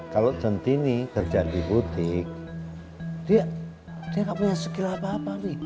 kalau centini kerja di butik dia nggak punya sekira apa apa